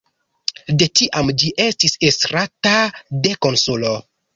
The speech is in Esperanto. De tiam ĝi estis estrata de konsulo.